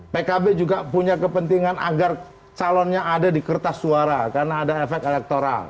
pkb juga punya kepentingan agar calonnya ada di kertas suara karena ada efek elektoral